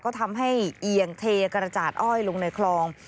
ก็ทำให้เอียงเทกระจาดอ้อยลงในคลอง